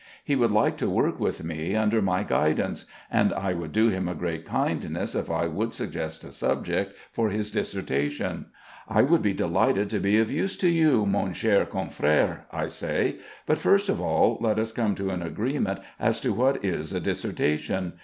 He would like to work with me, under my guidance; and I would do him a great kindness if I would suggest a subject for his dissertation. "I should be delighted to be of use to you, mon cher confrère," I say. "But first of all, let us come to an agreement as to what is a dissertation.